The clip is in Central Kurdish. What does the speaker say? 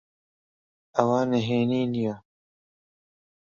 ئەوە نهێنی نییە.